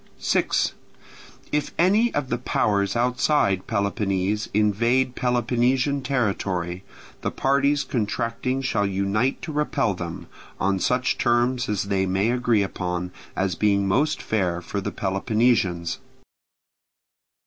6. If any of the powers outside Peloponnese invade Peloponnesian territory, the parties contracting shall unite to repel them, on such terms as they may agree upon, as being most fair for the Peloponnesians.